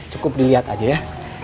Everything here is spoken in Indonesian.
cukup dilihat aja ya